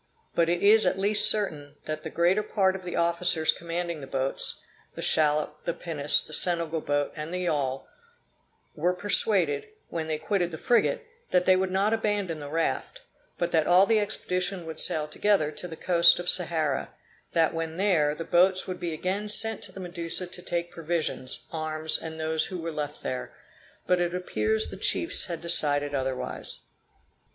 But it is at least certain, that the greater part of the officers commanding the boats, the shallop, the pinnace, the Senegal boat, and the yawl, were persuaded, when they quitted the frigate, that they would not abandon the raft, but that all the expedition would sail together to the coast of Sahara; that when there, the boats would be again sent to the Medusa to take provisions, arms, and those who were left there; but it appears the chiefs had decided otherwise.